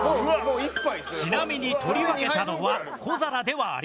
ちなみに取り分けたのは小皿ではありません。